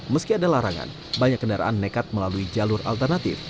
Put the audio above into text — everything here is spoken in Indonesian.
meski ada larangan banyak kendaraan nekat melalui jalur alternatif